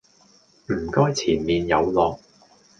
唔該前面有落